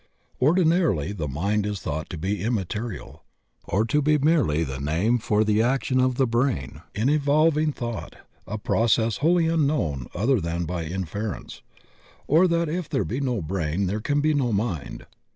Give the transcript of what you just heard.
Ordinarily the Mind is thought to be immaterial, or to be merely the name for the action of the brain in evolving thought, a process wholly unknown other than by inference, or that if there be no brain there can be no mind.